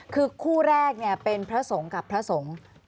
คือคู่แรกเป็นพระสงฆ์กับพระสงฆ์